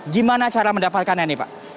gimana cara mendapatkannya nih pak